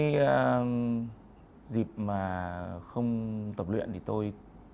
cái việc mà không tập luyện thì tôi